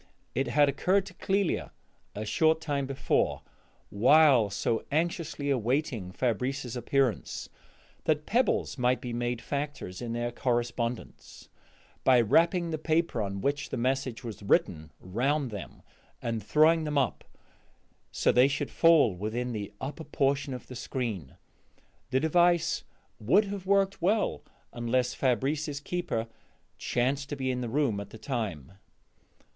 It had occurred to Clélia a short time before, while so anxiously awaiting Fabrice's appearance, that pebbles might be made factors in their correspondence, by wrapping the paper on which the message was written round them and throwing them up so they should fall within the open upper portion of the screen. The device would have worked well unless Fabrice's keeper chanced to be in the room at the time.